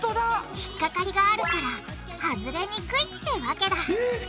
引っ掛かりがあるから外れにくいってわけだえっ！